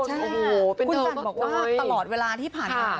คุณจันทร์บอกว่าตลอดเวลาที่ผ่านมา